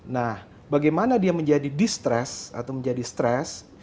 nah bagaimana dia menjadi distress atau menjadi stress